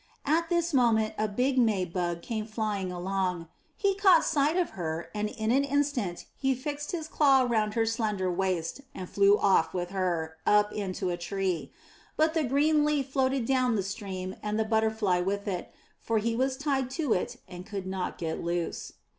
At this moment a big May bug came flying along. He caught sight of her and in an instant he fixed his claw round her slender waist and flew off with her, up into a tree. But the green leaf floated down the stream, and the butterfly with it, for he was tied to it and could not get loose.